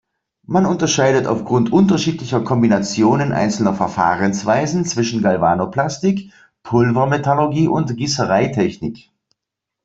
Man unterscheidet auf Grund unterschiedlicher Kombinationen einzelner Verfahrensweisen zwischen Galvanoplastik, Pulvermetallurgie und Gießereitechnik.